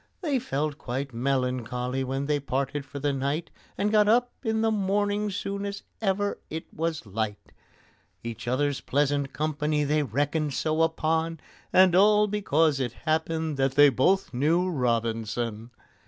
They felt quite melancholy when they parted for the night, And got up in the morning soon as ever it was light; Each other's pleasant company they reckoned so upon, And all because it happened that they both knew ROBINSON!